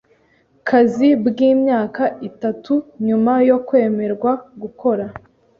kazi bw imyaka itatu nyuma yo kwemerwa gukora